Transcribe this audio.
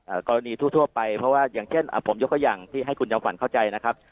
กรณีทั่วทั่วไปเพราะว่าอย่างเช่นอ่าผมยกตัวอย่างที่ให้คุณจำฝันเข้าใจนะครับ